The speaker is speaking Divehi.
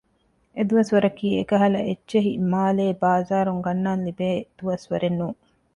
އެ ދުވަސްވަރަކީ އެކަހަލަ އެއްޗެހި މާލޭ ބާޒާރުން ގަންނާން ލިބޭ ދުވަސްވަރެއް ނޫން